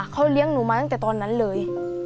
เขาเลี้ยงหนูมาตั้งแต่ตอนนั้นเลย